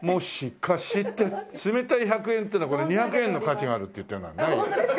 冷たい１００円っていうのはこれ２００円の価値があるって。